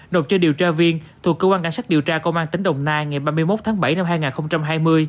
nộp cho điều tra viên thuộc cơ quan cảnh sát điều tra công an tỉnh đồng nai ngày ba mươi một tháng bảy năm hai nghìn hai mươi